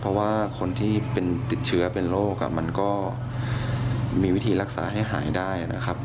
เพราะว่าคนที่เป็นติดเชื้อเป็นโรคมันก็มีวิธีรักษาให้หายได้นะครับ